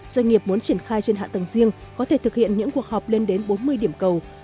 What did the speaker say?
doanh nghiệp muốn triển khai trên hạ tầng riêng có thể thực hiện những cuộc họp lên đến bốn mươi điểm cầu